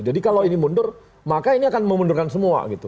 jadi kalau ini mundur maka ini akan memundurkan semua gitu